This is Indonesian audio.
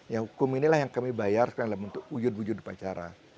yang hukum inilah yang kami bayar sekarang dalam bentuk ujud ujud upacara